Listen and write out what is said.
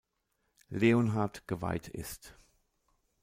Leonhard geweiht ist.